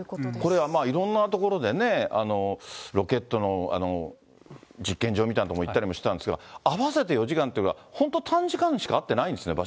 これはいろんな所で、ロケットの実験場みたいな所にも行ったりしてたんですが、合わせて４時間というのは、本当、短時間にしか会ってないですね。